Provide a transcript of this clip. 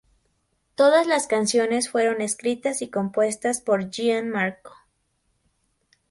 Todas las canciones fueron escritas y compuestas por Gian Marco.